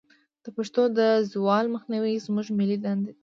د پښتو د زوال مخنیوی زموږ ملي دندې ده.